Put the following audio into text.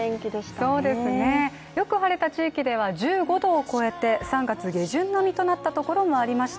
よく晴れた地域では１５度を超えて３月下旬並みとなった地域もありました。